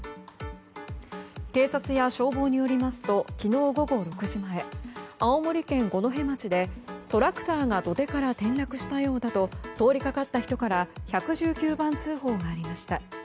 警察や消防によりますと昨日午後６時前青森県五戸町でトラクターが土手から転落したようだと通りかかった人から１１９番通報がありました。